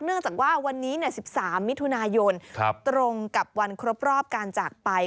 เนื่องจากว่าวันนี้ทุนายน๑๓ตรงกับวันครบการจากไป